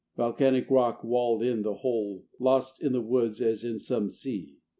Volcanic rock walled in the whole, Lost in the woods as in some sea.